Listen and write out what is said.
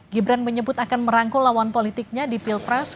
gibran menyebut akan merangkul lawan politiknya di pilpres